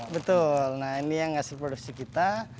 betul nah ini yang hasil produksi kita